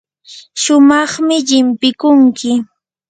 shumaqmi llimpikunki.